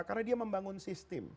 karena dia membangun sistem